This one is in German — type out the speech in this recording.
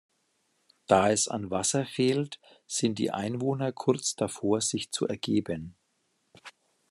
Da es an Wasser fehlt, sind die Einwohner kurz davor, sich zu ergeben.